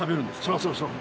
そうそうそう。